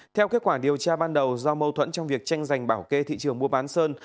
theo kết quả điều tra ban đầu do mâu thuẫn trong việc tranh giành bảo kê thị trường mua bán sơn